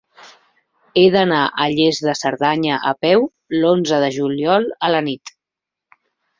He d'anar a Lles de Cerdanya a peu l'onze de juliol a la nit.